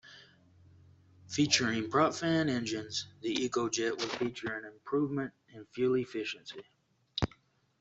Featuring propfan engines, the EcoJet would feature an improvement in fuel efficiency.